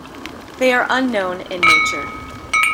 They are unknown in nature.